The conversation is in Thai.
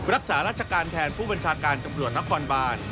รักษาราชการแทนผู้บัญชาการตำรวจนครบาน